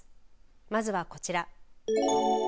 まずはこちら。